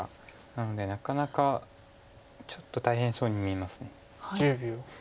なのでなかなかちょっと大変そうに見えます。